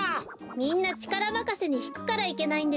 みんなちからまかせにひくからいけないんですよ。